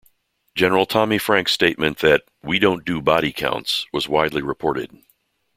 General Tommy Franks' statement that "we don't do body counts" was widely reported.